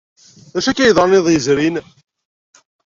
D acu akka ay yeḍran iḍ yezrin?